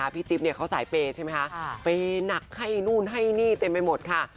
เปย์หนักให้นู่นให้นี่เต็มไปหมดค่ะ